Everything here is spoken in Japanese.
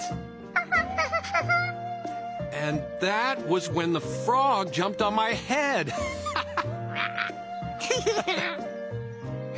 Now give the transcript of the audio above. ハハハハハ！